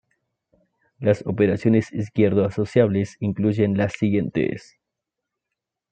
Las operaciones izquierdo-asociables incluyen las siguientes.